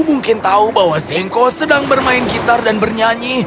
mungkin tahu bahwa singko sedang bermain gitar dan bernyanyi